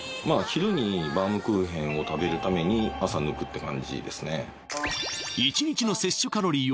昼にバウムクーヘンを食べるために朝抜くって感じですね